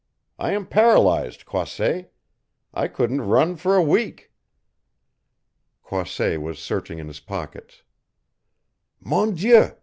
I am paralyzed, Croisset! I couldn't run for a week!" Croisset was searching in his pockets. "_Mon Dieu!